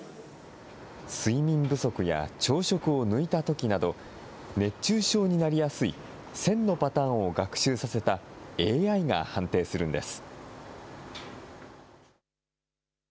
睡眠不足や朝食を抜いたときなど、熱中症になりやすい１０００のパターンを学習させたＡＩが判定するんです。